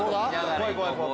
怖い怖い怖い。